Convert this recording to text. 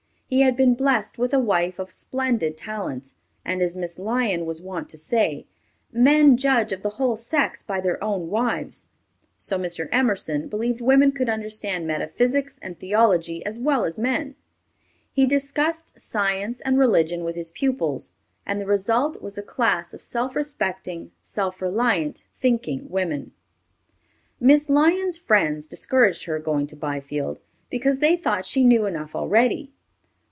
He had been blest with a wife of splendid talents, and as Miss Lyon was wont to say, "Men judge of the whole sex by their own wives," so Mr. Emerson believed women could understand metaphysics and theology as well as men. He discussed science and religion with his pupils, and the result was a class of self respecting, self reliant, thinking women. Miss Lyon's friends discouraged her going to Byfield, because they thought she knew enough already.